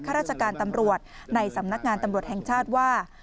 ราชการตำรวจในสำนักงานตำรวจแห่งชาติว่า